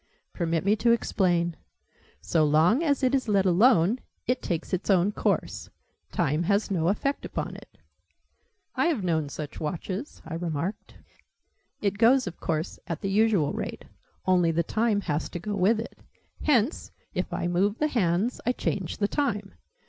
"Permit me to explain. So long as it is let alone, it takes its own course. Time has no effect upon it." "I have known such watches," I remarked. "It goes, of course, at the usual rate. Only the time has to go with it. Hence, if I move the hands, I change the time.